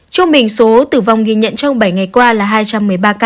trung bình số tử vong ghi nhận trong bảy ngày qua là hai trăm một mươi ba ca